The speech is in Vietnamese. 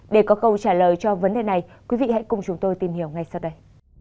để có câu trả lời cho vấn đề này quý vị hãy cùng chúng tôi tìm hiểu ngay sau đây